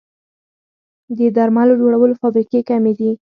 د درملو جوړولو فابریکې کمې دي